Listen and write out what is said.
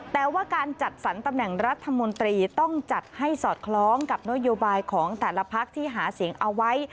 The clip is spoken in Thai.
แต่ว่าการจัดสรรตำแหน่งรัฐมนตรีต้องจัดให้สอดคล้องกับนโยบายของแต่ละพักที่หาเสียงเอาไว้